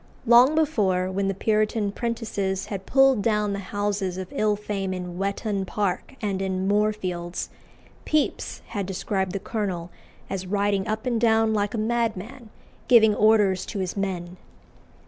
Long before, when the Puritan prentices had pulled down the houses of ill fame in Whettone Park and in Moorfields, Pepys had described the colonel as riding up and down like a madman, giving orders to his men.